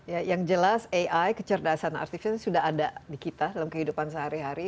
ya yang jelas ai kecerdasan artif itu sudah ada di kita dalam kehidupan sehari hari